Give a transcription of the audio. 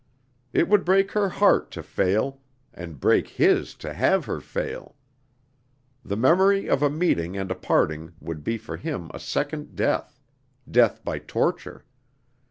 It would break her heart to fail, and break his to have her fail. The memory of a meeting and a parting would be for him a second death death by torture.